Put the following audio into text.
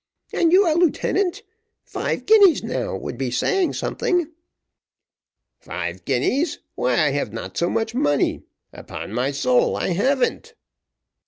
And you a lieutenant? Five guineas, now, would be saying something." "Five guineas! why I have not so much money. Upon my soul I hav'n't."